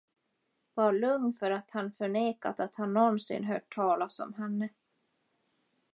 Var lugn för att han förnekat att han nånsin hört talas om henne.